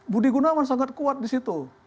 budi gunawan sangat kuat di situ